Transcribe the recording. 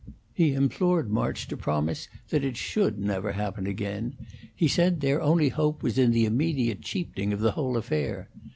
He implored March to promise that it should never happen again; he said their only hope was in the immediate cheapening of the whole affair.